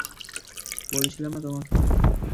বলেছিলাম না তোমাকে?